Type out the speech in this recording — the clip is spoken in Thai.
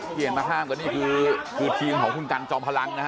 เปลี่ยนมาห้ามกันนี่คือทีมของคุณกันจอมพลังนะฮะ